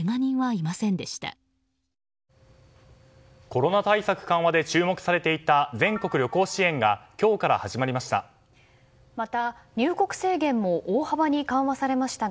コロナ対策緩和で注目されていた全国旅行支援が今日から始まりました。